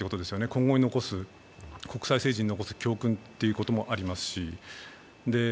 今後、国際政治に残す教訓ということもありますしね。